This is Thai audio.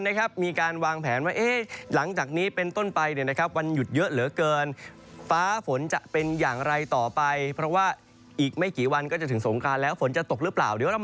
จะตกหรือเปล่าเดี๋ยวเรามาดูกันหน่อยนะครับ